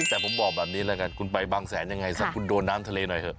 แต่ผมบอกแบบนี้แล้วกันคุณไปบางแสนยังไงสักคุณโดนน้ำทะเลหน่อยเถอ